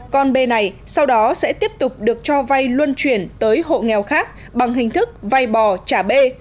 con bê này sau đó sẽ tiếp tục được cho vai luân chuyển tới hộ nghèo khác bằng hình thức vai bò trả bê